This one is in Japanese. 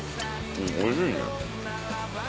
うんおいしいね。